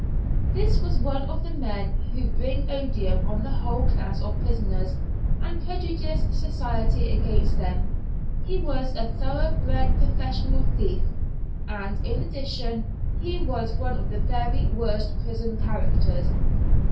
This was one of the men who bring odium on the whole class of prisoners, and prejudice society against them. He was a thorough bred professional thief, and, in addition, he was one of the very worst prison characters.